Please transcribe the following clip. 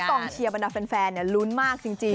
เชื่อว่ากล่องเชียร์บรรดาแฟนเนี่ยลุ้นมากจริง